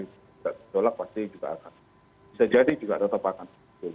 tidak terdolak pasti juga akan bisa jadi juga ada tepakan